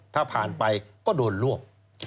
ถ้าผ่านไปก็โดนรวบ